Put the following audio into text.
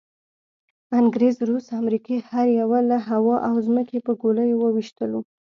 انګریز، روس، امریکې هر یوه له هوا او ځمکې په ګولیو وویشتلو.